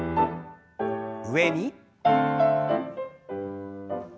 上に。